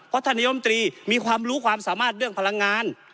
เพราะท่านนายมตรีมีความรู้ความสามารถเรื่องพลังงาน